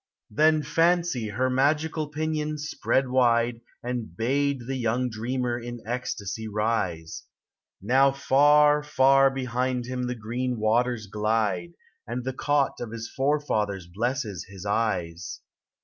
Then ram \ her magical pinions spread wide, Ami bade the yoong dreamer in ecstasj rise; Now far, far behind bim the green waters glide, And the col of his forefathers blesses his eyes.